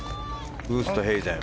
ウーストヘイゼン。